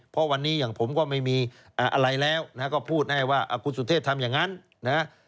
เพราะวันนี้อย่างผมก็ไม่มีอะไรแล้วก็พูดง่ายว่าคุณสุเทพทำอย่างนั้นนะฮะ